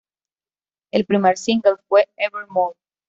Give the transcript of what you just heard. El primer single fue "Evermore".